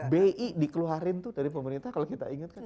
bi dikeluarin tuh dari pemerintah kalau kita ingatkan